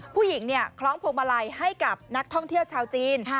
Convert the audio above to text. ผู้หญิงคล้องพวงมาลัยให้กับนักท่องเที่ยวชาวจีน